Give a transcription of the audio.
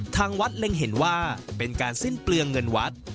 ทางวัดเล็งเห็นว่าเป็นการสิ้นเปลืองเงินวัด